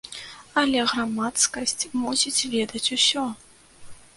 Але грамадскасць мусіць ведаць усё.